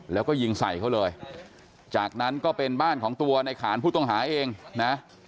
แล้วก็ยิงใส่เขาเลยจากนั้นก็เป็นบ้านของตัวในขานผู้ต้องหาเองนะ